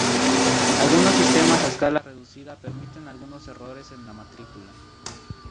Algunos sistemas a escala reducida permiten algunos errores en la matrícula.